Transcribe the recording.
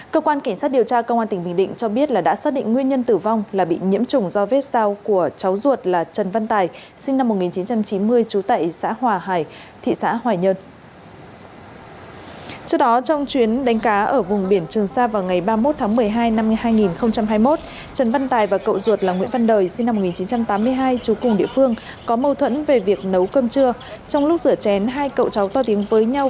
cơ quan cảnh sát điều tra công an tp hà nội vừa ra quyết định khởi tố và ra lệnh tạm giam hai bị can là kiều văn tiến